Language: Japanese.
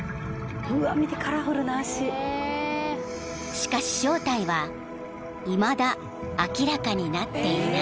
［しかし正体はいまだ明らかになっていない］